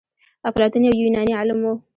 افلاطون يو يوناني عالم و.